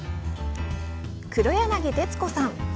黒柳徹子さん